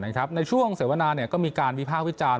ในช่วงเสวนาก็มีการวิภาควิจารณ